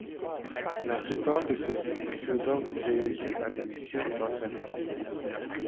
La plupart de ceux-ci furent donc relégués à des missions d'entrainement.